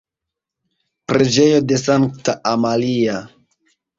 Preĝejo de Sankta Amalia.